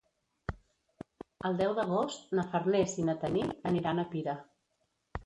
El deu d'agost na Farners i na Tanit aniran a Pira.